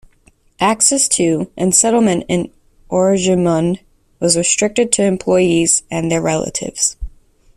Access to, and settlement in Oranjemund was restricted to employees and their relatives.